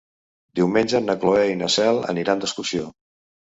Diumenge na Cloè i na Cel aniran d'excursió.